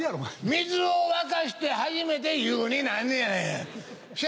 水を沸かして初めて湯になんねやないか。